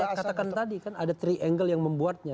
saya katakan tadi kan ada triangle yang membuatnya